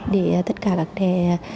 để tất cả các trẻ